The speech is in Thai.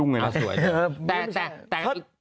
นะแต่